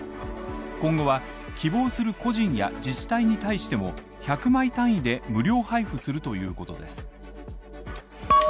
今後は、希望する個人や自治体に対しても、１００枚単位で無料配布するということです。